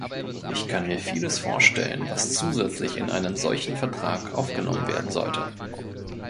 Ich kann mir vieles vorstellen, was zusätzlich in einen solchen Vertrag aufgenommen werden sollte.